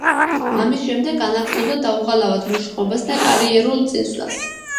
ამის შემდეგ განაგრძობდა დაუღალავად მუშაობას და კარიერულ წინსვლას.